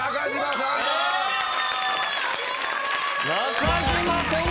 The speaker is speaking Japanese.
中島さんだ！